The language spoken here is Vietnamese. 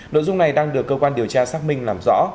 nội dung này đang được cơ quan điều tra xác minh làm rõ